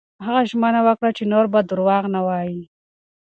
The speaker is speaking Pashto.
هغه ژمنه وکړه چې نور به درواغ نه وايي.